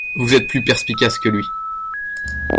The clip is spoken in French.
Vous êtes plus perspicace que lui.